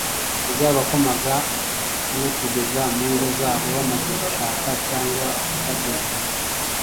Ibyo byarabokamaga no kuzageza mu ngo zabo bamaze gushaka cyangwa bageze